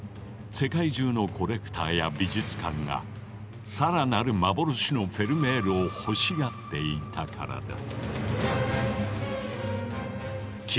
世界中のコレクターや美術館が更なる「幻のフェルメール」を欲しがっていたからだ。